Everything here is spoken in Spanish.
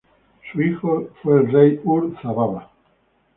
Su hijo fue el rey Ur-Zababa.